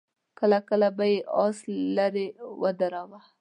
کله کله به يې آس ليرې ودراوه.